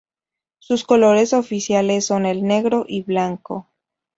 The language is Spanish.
Sus colores oficiales son el negro y blanco.